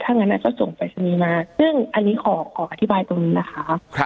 ถ้างั้นอาจจะส่งปรายศนีย์มาซึ่งอันนี้ขออธิบายตรงนี้นะคะ